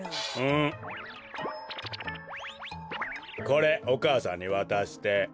これお母さんにわたして。